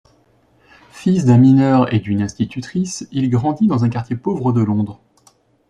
Fils d'un mineur et d'une institutrice, il grandit dans un quartier pauvre de Londres.